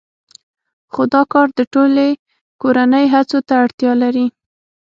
خو دا کار د ټولې کورنۍ هڅو ته اړتیا لري